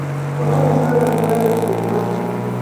Fue profesor de la Escuela de Arquitectura.